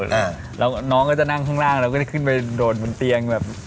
อ่าแล้วน้องก็จะนั่งข้างล่างแล้วก็ได้ขึ้นไปโดดบนเตียงแบบ